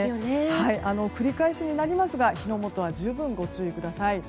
繰り返しになりますが火の元には十分、ご注意ください。